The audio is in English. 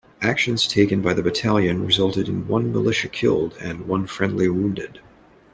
Actions taken by the battalion resulted in one militia killed and one friendly wounded.